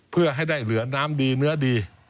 เพื่อให้ได้เหลือน้ำดีเนื้อดี